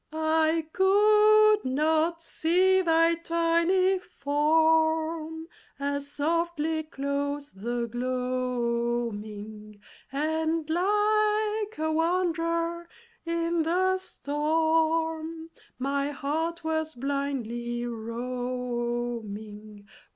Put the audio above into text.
I could not see thy tiny form, As softly closed the gloaming; And like a wanderer in the storm My heart was blindly roaming.